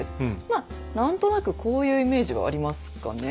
まあ何となくこういうイメージはありますかね